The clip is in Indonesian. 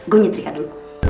gue nyeterikan dulu